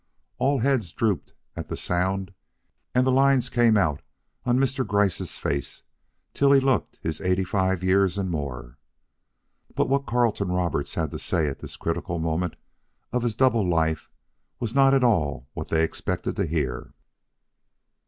All heads drooped at the sound and the lines came out on Mr. Gryce's face till he looked his eighty five years and more. But what Carleton Roberts had to say at this critical moment of his double life was not at all what they expected to hear.